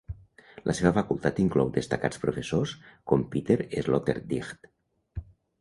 La seva facultat inclou destacats professors com Peter Sloterdijk.